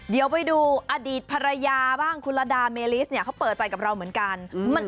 เดี๋ยวไปดูอดีตภรรยาบ้างคุณละดาเมลิสเนี่ยเขาเปิดใจกับเราเหมือนกัน